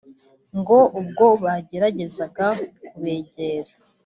ngo ubwo bageragezaga kubegera